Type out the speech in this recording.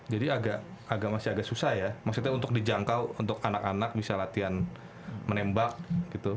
jadi agak masih agak susah ya maksudnya untuk dijangkau untuk anak anak bisa latihan menembak gitu